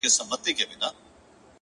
• دوه لاسونه پر دوو پښو باندي روان وو ,